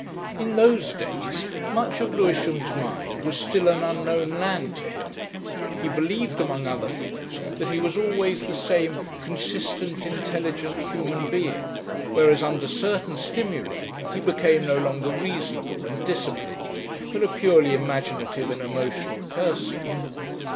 In those days much of Lewisham's mind was still an unknown land to him. He believed among other things that he was always the same consistent intelligent human being, whereas under certain stimuli he became no longer reasonable and disciplined but a purely imaginative and emotional person.